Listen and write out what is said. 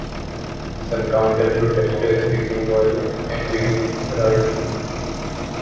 Some counter-protesters became violent and began rioting.